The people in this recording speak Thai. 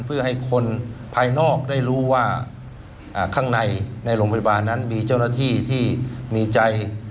เพื่อให้คนภายนอกได้รู้ว่าข้างในในโรงพยาบาลนั้นมีเจ้าหน้าที่ที่มีใจ